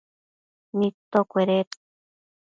nidtocueded